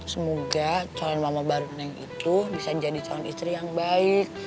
semoga calon mama baru neng itu bisa jadi calon istri yang baik